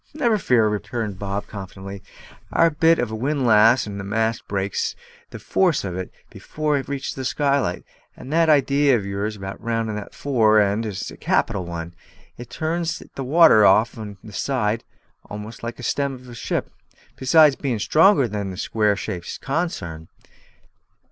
"Never fear," returned Bob confidently. "Our bit of a windlass and the mast breaks the force of it before it reaches the skylight. And that idee of yours in having it rounded at the fore end is a capital one; it turns the water off each side almost like the stem of a ship, besides bein' stronger than a square shaped consarn.